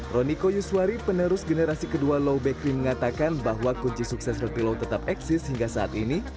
roniko yuswari penerus generasi kedua law bakery mengatakan bahwa kunci sukses roti laut tetap eksis hingga saat ini